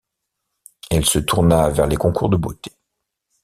Elle se tourna vers les concours de beauté.